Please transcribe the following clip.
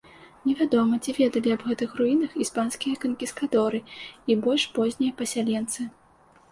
Невядома, ці ведалі аб гэтых руінах іспанскія канкістадоры і больш познія пасяленцы.